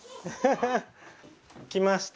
来ました。